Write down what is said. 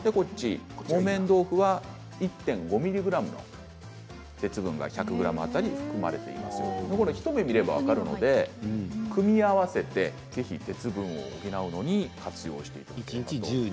木綿豆腐は１．５ｍｇの鉄分が１００ｇ当たり含まれていますよと一目見れば分かるので組み合わせてぜひ鉄分を補うのに活用していただければと。